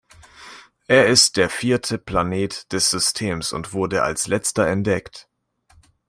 Er ist der vierte Planet des Systems und wurde als letzter entdeckt.